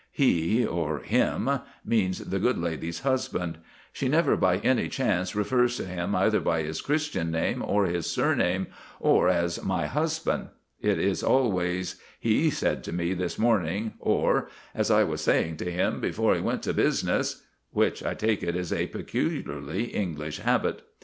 He, or "him," means the good lady's husband. She never by any chance refers to him either by his Christian name, or his surname, or as "my husband." It is always, "He said to me this morning," or, "As I was saying to him before he went to business," which, I take it, is a peculiarly English habit.